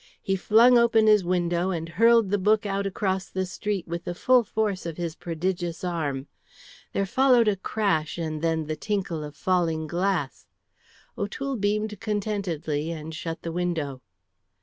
He flung open his window and hurled the book out across the street with the full force of his prodigious arm. There followed a crash and then the tinkle of falling glass. O'Toole beamed contentedly and shut the window.